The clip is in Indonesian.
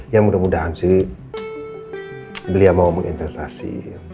ya mudah mudahan sih beliau mau menginvestasi